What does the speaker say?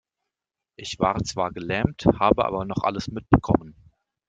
Ich war zwar gelähmt, habe aber noch alles mitbekommen.